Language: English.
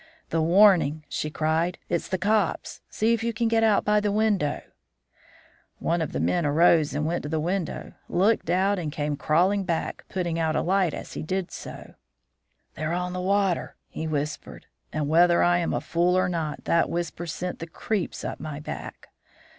"'The warning,' she cried. 'It's the cops! See if you can get out by the window.' "One of the men arose and went to the window, looked out, and came crawling back, putting out a light as he did so. "'They're on the water,' he whispered; and, whether I am a fool or not, that whisper sent the creeps up my back.